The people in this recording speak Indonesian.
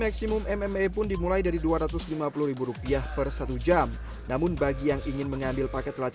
kemudian lagi tentang atlet itu